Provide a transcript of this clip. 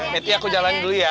berarti aku jalan dulu ya